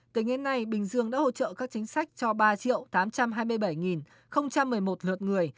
tính đến nay bình dương đã hỗ trợ các chính sách cho ba tám trăm hai mươi bảy một mươi một lượt người